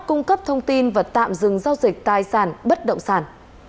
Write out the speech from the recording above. cung cấp thông tin và tạm dừng giao dịch tài sản bất động sản